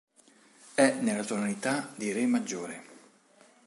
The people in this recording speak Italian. È nella tonalità di Re maggiore.